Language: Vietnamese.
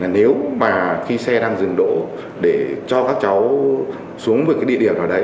nếu mà khi xe đang dừng độ để cho các cháu xuống với cái địa điểm nào đấy